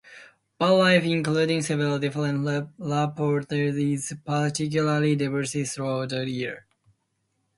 Bird life, including several different raptors, is particularly diverse throughout the year.